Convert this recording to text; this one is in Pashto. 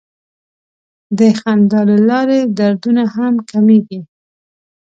د خندا له لارې دردونه هم کمېږي.